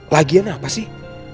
lagian apa sih